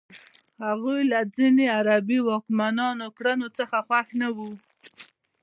هغوی له ځینو عربي واکمنانو کړنو څخه خوښ نه وو.